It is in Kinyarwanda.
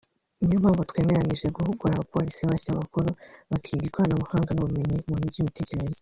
ni yo mpamvu twemeranyije guhugura abapolisi bashya bakuru bakiga ikoranabuhanga n’ubumenyi mu by’ imitekerereze…"